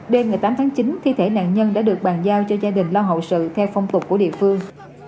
đêm ngày tám tháng chín thi thể nạn nhân đã được bàn giao cho gia đình lo hậu sự theo phong tục của địa phương